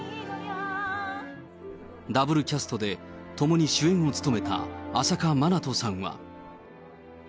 ダブルキャストで共に主演を務めた朝夏まなとさんは。